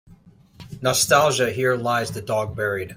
Nostalgia Here lies the dog buried.